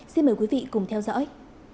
xin mời quý vị cùng theo dõi